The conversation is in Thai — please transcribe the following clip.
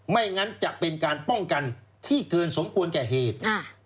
ไม่งั้นจะเป็นการป้องกันที่เกินสมควรแก่เหตุ